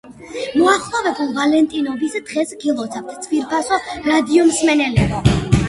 მოახლოებულ ვალენტინობის დღეს გილოცავთ ძვირფასო რადიომსმენელებო.